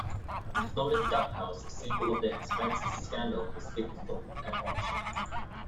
The floating duck house, symbol of the expenses scandal, was later sold at auction.